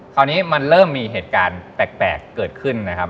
คราวนี้มันเริ่มมีเหตุการณ์แปลกเกิดขึ้นนะครับ